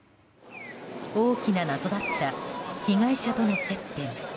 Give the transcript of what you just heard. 大きな謎だった被害者との接点。